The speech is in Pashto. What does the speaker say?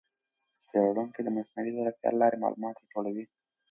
څېړونکي د مصنوعي ځېرکتیا له لارې معلومات راټولوي.